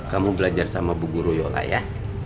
kamu belajar sama bu guryola ya